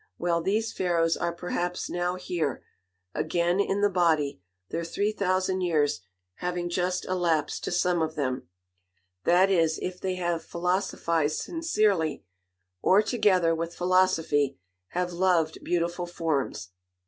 Well, these Pharaohs are perhaps now here, again in the body, their three thousand years having just elapsed to some of them, that is, if they have philosophized sincerely, or, together with philosophy, have "loved beautiful forms."